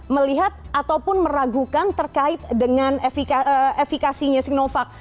melihat ataupun meragukan terkait dengan efekasinya sinovac